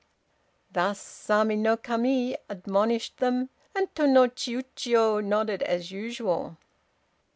Thus Sama no Kami admonished them, and Tô no Chiûjiô nodded as usual.